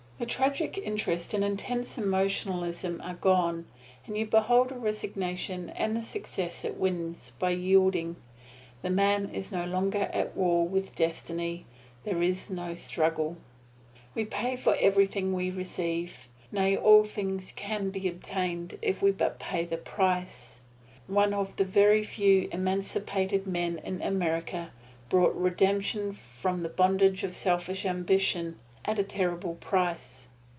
The tragic interest and intense emotionalism are gone, and you behold a resignation and the success that wins by yielding. The man is no longer at war with destiny. There is no struggle. We pay for everything we receive nay, all things can be obtained if we but pay the price. One of the very few Emancipated Men in America bought redemption from the bondage of selfish ambition at a terrible price.